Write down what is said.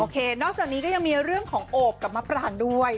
นอกจากนี้ก็ยังมีเรื่องของโอบกับมะปรางด้วย